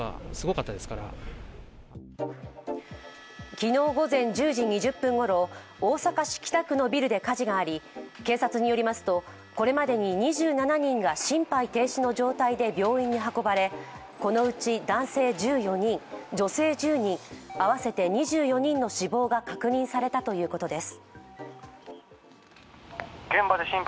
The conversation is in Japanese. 昨日午前１０時２０分ごろ、大阪市北区のビルで火事があり警察によりますとこれまでに２７人が心肺停止の状態で病院に運ばれ、このうち男性１４人女性１０人、合わせて２４人の死亡が確認されたということです。